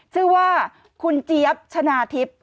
ชื่อว่าคุณเจี๊ยบชนะทิพย์